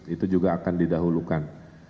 itu juga akan didahulukan